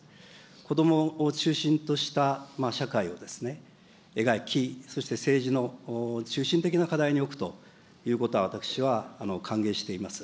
こどもを中心とした社会を描き、そして、政治の中心的な課題に置くということは、私は歓迎しています。